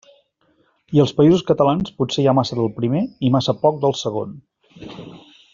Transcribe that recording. I als Països Catalans potser hi ha massa del primer i massa poc del segon.